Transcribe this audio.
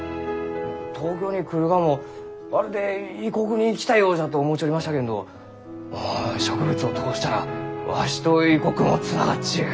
東京に来るがもまるで異国に来たようじゃと思うちょりましたけんど植物を通したらわしと異国もつながっちゅう。